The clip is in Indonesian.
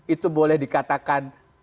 itu boleh dikatakan